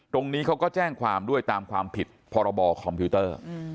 ตรงนี้เขาก็แจ้งความด้วยตามความผิดพรบคอมพิวเตอร์